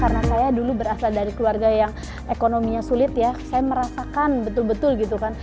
karena saya dulu berasal dari keluarga yang ekonominya sulit ya saya merasakan betul betul gitu kan